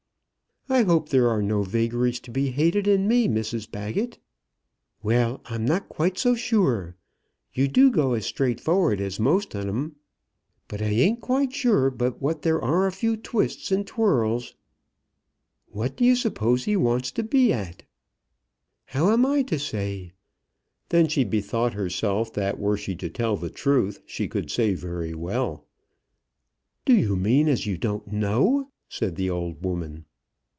"I hope there are no vagaries to be hated in me, Mrs Baggett." "Well, I'm not quite so sure. You do go as straightforward as most on 'em; but I ain't quite sure but that there are a few twists and twirls. What do you suppose he wants to be at?" "How am I to say?" Then she bethought herself that were she to tell the truth, she could say very well. "Do you mean as you don't know?" said the old woman.